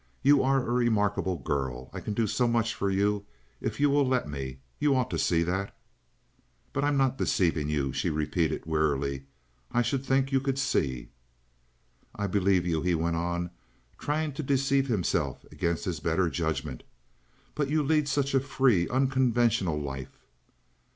You are a remarkable girl. I can do so much for you if you will let me. You ought to see that." "But I'm not deceiving you," she repeated, wearily. "I should think you could see." "I believe you," he went on, trying to deceive himself against his better judgment. "But you lead such a free, unconventional life."